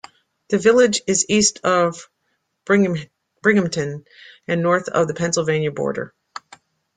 The village is east of Binghamton and north of the Pennsylvania border.